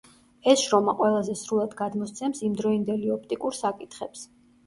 ეს შრომა ყველაზე სრულად გადმოსცემს იმდროინდელი ოპტიკურ საკითხებს.